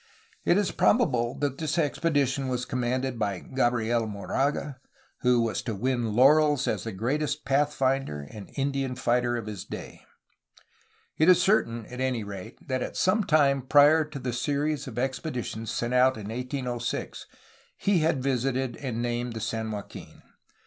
It is probable that this expedition was commanded by Gabriel Moraga, who was to win laurels as the greatest pathfinder and Indian fighter of his day. It is certain, at any rate, that at some time prior to the series of expeditions sent out in 1806 he had visited and named the San Joaquin.